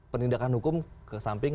penindakan hukum ke samping